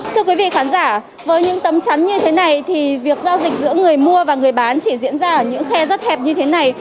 thưa quý vị khán giả với những tấm chắn như thế này thì việc giao dịch giữa người mua và người bán chỉ diễn ra ở những xe rất hẹp như thế này